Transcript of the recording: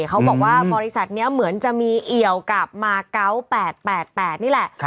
เขาบอกว่าบริษัทนี้เหมือนจะมีเอี่ยวกับมาเกาะ๘๘นี่แหละ